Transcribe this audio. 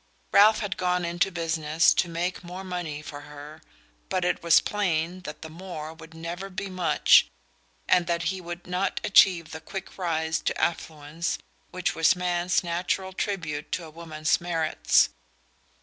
Ralph had gone into business to make more money for her; but it was plain that the "more" would never be much, and that he would not achieve the quick rise to affluence which was man's natural tribute to woman's merits.